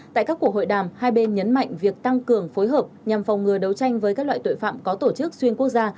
tại các cuộc hội đàm hai bên nhấn mạnh việc tăng cường phối hợp nhằm phòng ngừa đấu tranh với các loại tội phạm có tổ chức xuyên quốc gia